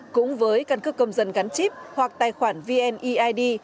cũng với căn cước công dân gắn chip hoặc tài khoản vneid